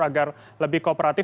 agar lebih kooperatif